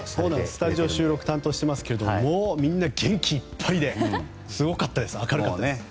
スタジオ収録を担当していますがもうみんな元気いっぱいですごかった、明るかったし。